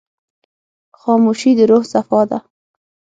خاموشي، د روح صفا ده.